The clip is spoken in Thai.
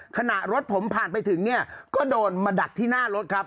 ขณะรถผมผ่านไปถึงเนี่ยก็โดนมาดักที่หน้ารถครับ